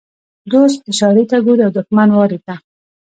ـ دوست اشارې ته ګوري او دښمن وارې ته.